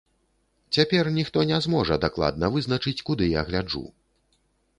Цяпер ніхто не зможа дакладна вызначыць, куды я гляджу.